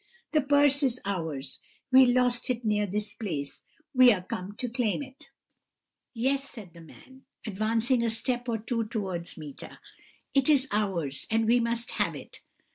The purse is ours, we lost it near this place; we are come to claim it.' "'Yes,' said the man, advancing a step or two towards Meeta; 'it is ours, and we must have it.'